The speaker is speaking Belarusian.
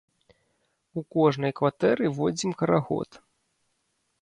У кожнай кватэры водзім карагод.